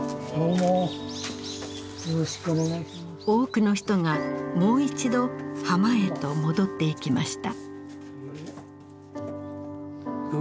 多くの人がもう一度浜へと戻っていきました。